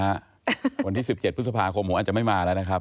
วันที่๑๗พฤษภาคมผมอาจจะไม่มาแล้วนะครับ